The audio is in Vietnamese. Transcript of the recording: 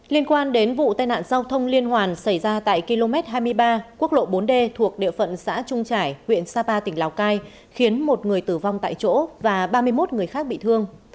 liên quan đến vụ tai nạn giao thông liên hoàn xảy ra tại km hai mươi ba quốc lộ bốn d thuộc địa phận xã trung trải huyện sapa tỉnh lào cai khiến một người tử vong tại chỗ và ba mươi một người khác bị thương